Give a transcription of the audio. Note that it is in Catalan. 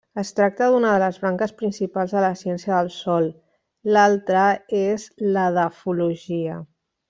Es tracta d'una de les branques principals de la ciència del sòl; l'altra és l'edafologia.